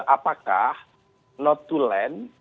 apakah not to land